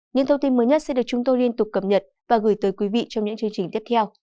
những thông tin mới nhất sẽ được chúng tôi liên tục cập nhật và gửi tới quý vị trong những chương trình tiếp theo